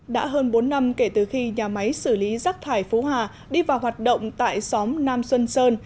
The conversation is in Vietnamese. đã hơn bốn năm kể từ khi nhà máy xử lý rác thải phú hà đi vào hoạt động tại xóm nam xuân sơn